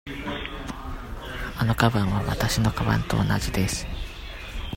あのかばんはわたしのかばんと同じです。